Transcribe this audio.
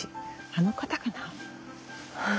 あの方かな？